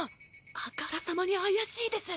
あからさまに怪しいです！